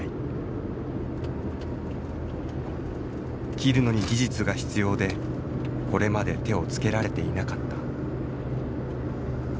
切るのに技術が必要でこれまで手をつけられていなかった。